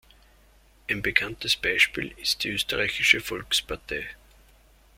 Ein bekanntes Beispiel ist die Österreichische Volkspartei.